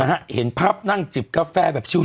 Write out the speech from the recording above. เห็นภาพนั่งจิบกาแฟแบบชิว